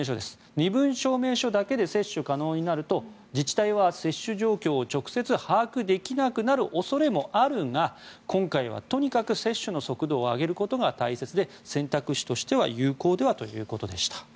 身分証明書だけで接種可能になると自治体は接種状況を直接把握できなくなる恐れもあるが今回はとにかく接種の速度を上げることが大切で選択肢としては有効ではということでした。